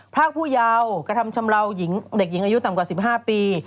ภาคผู้เยาว์กระทำชำเลาหญิงเด็กหญิงอายุต่ำกว่า๑๕ปี